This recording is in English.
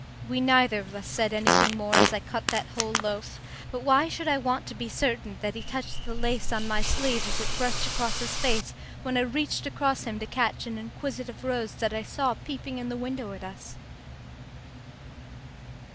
We neither of us said anything more as I cut that whole loaf; but why should I want to be certain that he touched the lace on my sleeve as it brushed his face when I reached across him to catch an inquisitive rose that I saw peeping in the window at us?